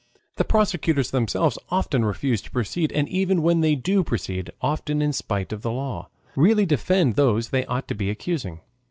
The prosecutors themselves often refuse to proceed, and even when they do proceed, often in spite of the law, really defend those they ought to be accusing.